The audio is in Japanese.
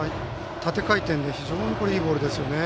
縦回転で非常にいいボールでした。